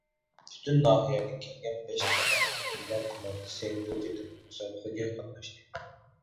پۈتۈن ناھىيەدىن كەلگەن بەش تارماق ۋەكىللەر كوماندىسى بۇ قېتىمقى مۇسابىقىگە قاتناشتى.